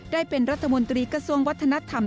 ได้เป็นรัฐมนตรีกระทรวงวัฒนธรรม